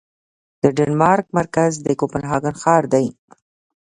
د ډنمارک مرکز د کوپنهاګن ښار دی